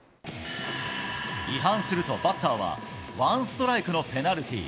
違反するとバッターは、ワンストライクのペナルティー。